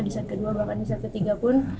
di set kedua bahkan di set ketiga pun